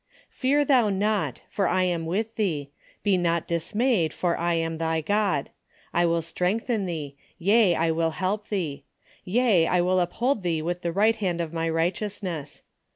" Fear thou not ; for I am Avith thee : be not dismayed ; for I am thy God : I Avill strengthen thee ; yea, I Avill help thee ; yea, I Avill uphold thee Avith the right hand of my righteousness.